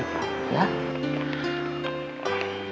ibu sudah menjual semua priasamu